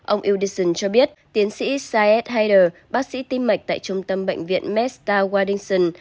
ông udison cho biết tiến sĩ syed haider bác sĩ tim mạch tại trung tâm bệnh viện medstar waddington